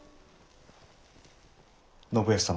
・信康様